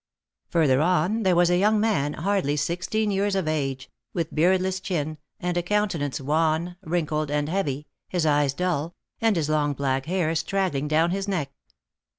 Further on there was a young man, hardly sixteen years of age, with beardless chin, and a countenance wan, wrinkled, and heavy, his eye dull, and his long black hair straggling down his neck.